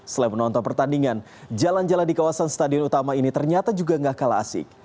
selain menonton pertandingan jalan jalan di kawasan stadion utama ini ternyata juga gak kalah asik